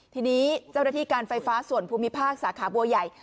ทีนี้เจ้าหน้าที่การไฟฟ้าส่วนภูมิภาคสาขาบัวใหญ่